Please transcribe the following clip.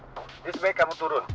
jadi sebaiknya kamu turun